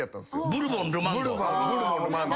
ブルボンルマンド。